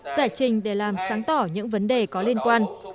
giải trình để làm sáng tỏ những vấn đề có liên quan